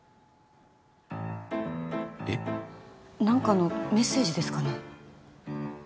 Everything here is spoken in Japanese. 何かのメッセージですかね？